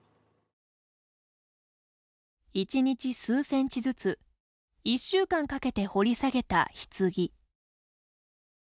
１日、数センチずつ１週間かけて掘り下げた、ひつぎ。